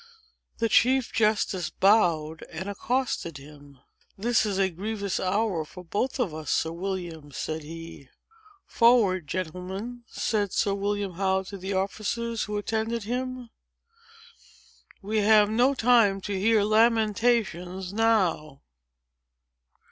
The chief justice bowed and accosted him. "This is a grievous hour for both of us, Sir William," said he. "Forward! gentlemen," said Sir William Howe to the officers who attended him: "we have no time to hear lamentations now!"